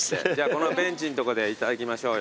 このベンチのとこでいただきましょう。